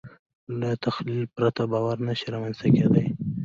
له تخیل پرته باور نهشي رامنځ ته کېدی.